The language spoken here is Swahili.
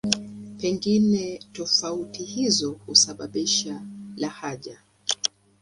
Pengine tofauti hizo husababisha lahaja.